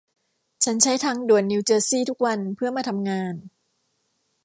ฉันใช้ทางด่วนนิวเจอร์ซี่ทุกวันเพื่อมาทำงาน